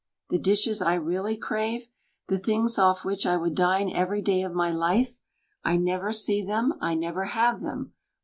The dishes I really crave? The things ofE which I would dine every day of my life? I never see them. I never have them.